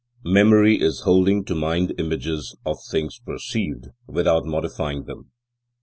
Memory is holding to mind images of things perceived, without modifying them.